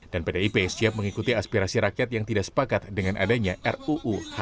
dan pdip siap mengikuti aspirasi rakyat yang tidak sepakat dengan adanya ruu hip